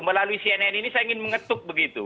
melalui cnn ini saya ingin mengetuk begitu